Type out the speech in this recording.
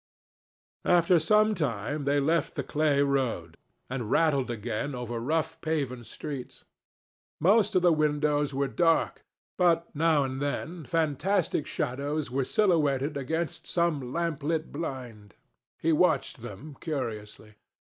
After some time they left the clay road and rattled again over rough paven streets. Most of the windows were dark, but now and then fantastic shadows were silhouetted against some lamplit blind. He watched them curiously.